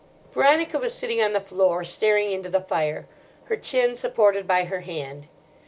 Veronica was sitting on the floor, staring into the fire, her chin supported by her hand.